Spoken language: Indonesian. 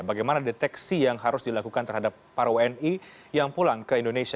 bagaimana deteksi yang harus dilakukan terhadap para wni yang pulang ke indonesia